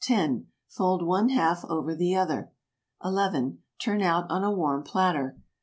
Fold one half over the other. 11. Turn out on a warm platter.